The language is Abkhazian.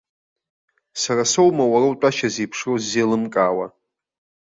Сара соума уара утәашьа зеиԥшроу ззеилымкаауа!